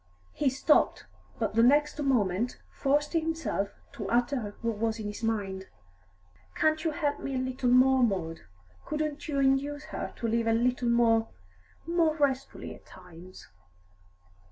He stopped, but the next moment forced himself to utter what was in his mind. "Can't you help me a little more, Maud? Couldn't you induce her to live a little more more restfully at times?"